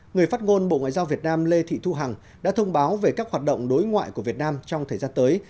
người phát ngôn bộ ngoại giao việt nam lê thị thu hằng đã thông báo về các hoạt động đối ngoại của việt nam trong thời gian tới